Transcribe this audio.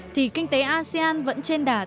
thì kinh tế asean vẫn trên đà tăng